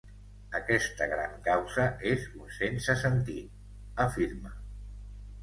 Aquesta gran causa és un sense sentit, afirma.